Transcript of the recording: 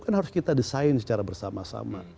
kan harus kita desain secara bersama sama